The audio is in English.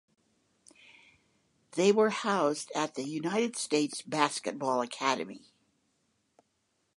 They were housed at the United States Basketball Academy.